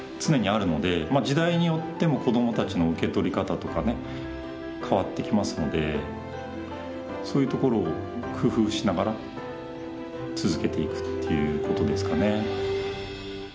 時代によっても子どもたちの受け取り方とかね変わってきますのでそういうところを工夫しながら続けていくっていうことですかね。